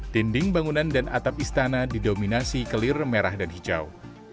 dinding bangunan dan atap istana didominasi kelir merah dan hijau